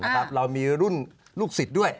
มีอาจารย์ลูกศิษย์ด้วย